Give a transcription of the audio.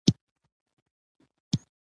بادام د افغانستان د کلتوري میراث برخه ده.